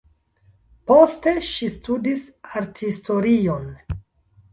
Poste ŝi studis arthistorion.